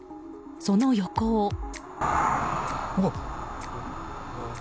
その横を。